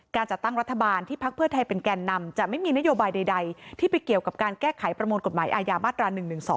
จัดตั้งรัฐบาลที่พักเพื่อไทยเป็นแก่นำจะไม่มีนโยบายใดที่ไปเกี่ยวกับการแก้ไขประมวลกฎหมายอาญามาตรา๑๑๒